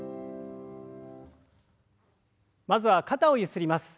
まずは肩をゆすります。